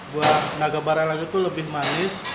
buah naga barelang itu lebih manis